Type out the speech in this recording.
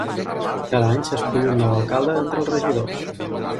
Cada any s'escull un nou alcalde d'entre els regidors.